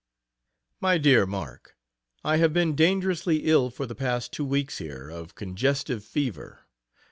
MY DEAR MARK, I have been dangerously ill for the past two weeks here, of congestive fever.